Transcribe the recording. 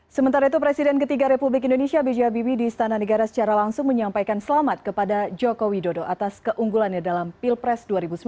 sementara itu presiden ketiga republik indonesia b j habibie di istana negara secara langsung menyampaikan selamat kepada joko widodo atas keunggulannya dalam pilpres dua ribu sembilan belas